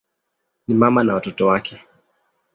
Ni mama na watoto wake.